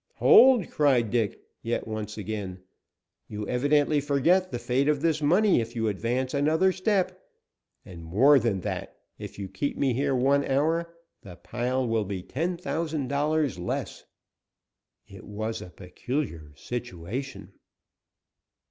"Hold!" cried Dick yet once again. "You evidently forget the fate of this money if you advance another step. And more than that, if you keep me here one hour the pile will be ten thousand dollars less." It was a peculiar situation.